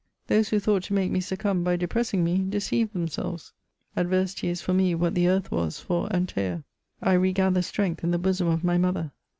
Those who thought to make me succumb by depressing m^, deceived themselves. Adversity is for me what the. earth was for Ant«a. I re gather strength in the bosom of my mother.